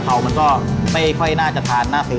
เป็นยังไงบ้างคะหนุ่ม